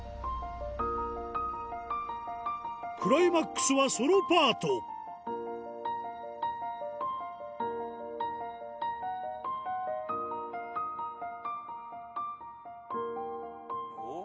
クライマックスはソロパートおぉ！